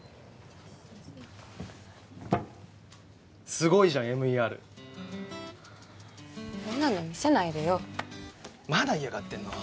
すごいじゃんＭＥＲそんなの見せないでよまだ嫌がってんの？